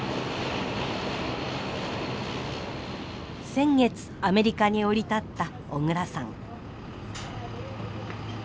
先月アメリカに降り立った小倉さん。